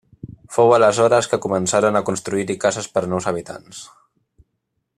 Fou aleshores que començaren a construir-hi cases per a nous habitants.